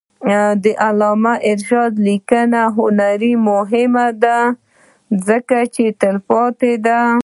د علامه رشاد لیکنی هنر مهم دی ځکه چې تلپاتې دی.